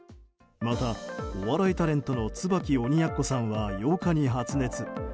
またお笑いタレントの椿鬼奴さんは８日に発熱。